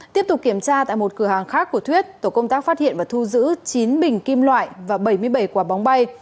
tiếp tục kiểm tra tại một cửa hàng khác của thuyết tổ công tác phát hiện và thu giữ chín bình kim loại và bảy mươi bảy quả bóng bay